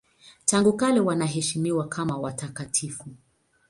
Tangu kale wanaheshimiwa kama watakatifu.